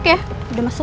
oke udah masuk